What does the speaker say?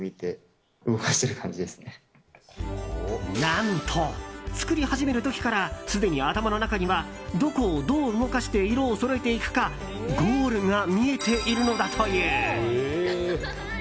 何と、作り始める時からすでに頭の中にはどこを、どう動かして色をそろえていくかゴールが見えているのだという。